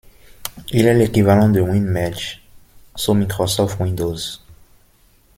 Il est l'équivalent de WinMerge, sous Microsoft Windows.